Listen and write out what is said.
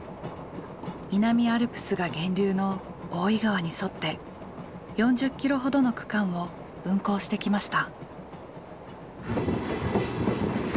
南アルプスが源流の大井川に沿って４０ｋｍほどの区間を運行してきました。